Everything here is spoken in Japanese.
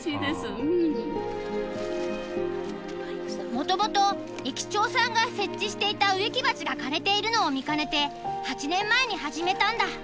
もともと駅長さんが設置していた植木鉢が枯れているのを見かねて８年前に始めたんだ。